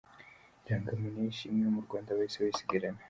Irangamuntu ya Ishimwe yo mu Rwanda bahise bayisigarana.